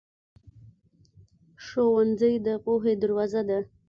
ښوونځی د پوهې دروازه ده.